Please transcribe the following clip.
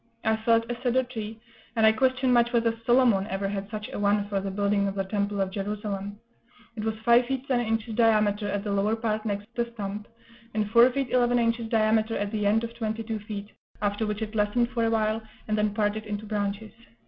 I felled a cedar tree, and I question much whether Solomon ever had such a one for the building of the Temple of Jerusalem; it was five feet ten inches diameter at the lower part next the stump, and four feet eleven inches diameter at the end of twenty two feet; after which it lessened for a while, and then parted into branches.